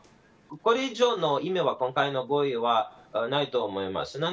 これ以上の意味は今回の合意はないと思います。